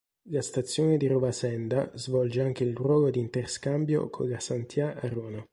La stazione di Rovasenda svolge anche il ruolo di interscambio con la Santhià-Arona.